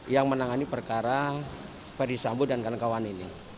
yang menangani perkara perisambu dan kandang kawan ini